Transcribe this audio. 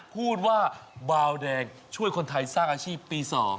พูดว่าบาวแดงช่วยคนไทยสร้างอาชีพปี๒